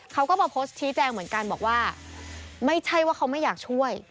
เขาก็มาโพสต์ชี้แจงเหมือนกันบอกว่าไม่ใช่ว่าเขาไม่อยากช่วย